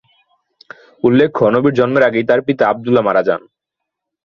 উল্লেখ্য নবীর জন্মের আগেই তার পিতা আবদুল্লাহ মারা যান।